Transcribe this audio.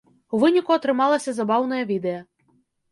У выніку атрымалася забаўнае відэа.